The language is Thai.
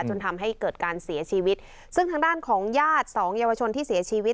จนทำให้เกิดการเสียชีวิตซึ่งทางด้านของญาติสองเยาวชนที่เสียชีวิต